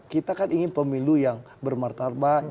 kita kan ingin pemilu yang bermartabat